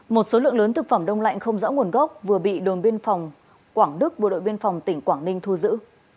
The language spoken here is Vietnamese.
một số lượng lớn thực phẩm đông lạnh không rõ nguồn gốc vừa bị đồn biên phòng quảng đức bộ đội biên phòng tỉnh quảng ninh thu giữ